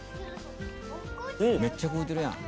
「めっちゃ食うてるやん」